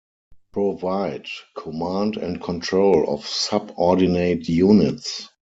Provide command and control of subordinate units.